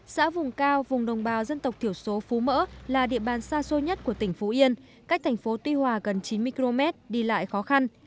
xã vùng cao vùng đồng bào dân tộc thiểu số phú mỡ là địa bàn xa xôi nhất của tỉnh phú yên cách thành phố tuy hòa gần chín mươi km đi lại khó khăn